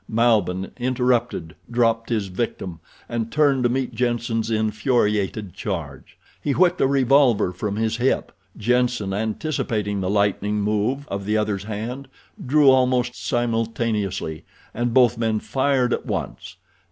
Malbihn, interrupted, dropped his victim and turned to meet Jenssen's infuriated charge. He whipped a revolver from his hip. Jenssen, anticipating the lightning move of the other's hand, drew almost simultaneously, and both men fired at once.